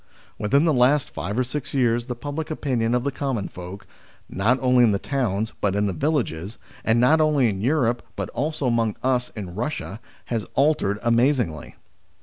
Within the last five or six years the public opinion of the common folk, not only in the towns but in the villages, and not only in Europe but also among us in Eussia, has altered amazingly.